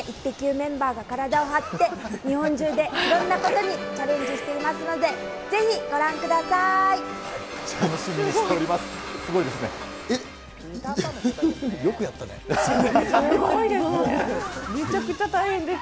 メンバーが体を張って、日本中でいろんなことにチャレンジしていますので、楽しみにしております。